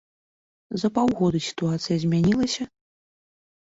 За паўгода сітуацыя змянілася?